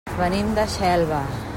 Venim de Xelva.